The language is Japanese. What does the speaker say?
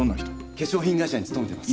化粧品会社に勤めてます。